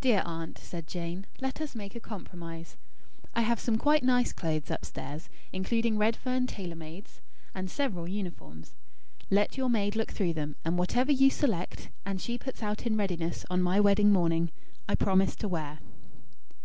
"Dear Aunt," said Jane, "let us make a compromise. I have some quite nice clothes upstairs, including Redfern tailor mades, and several uniforms. Let your maid look through them, and whatever you select, and she puts out in readiness on my wedding morning, I promise to wear."